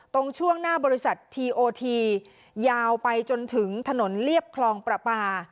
ตรงช่วงหน้าบริษัททีโอทียาวไปจนถึงถนนเรียบคลองประปา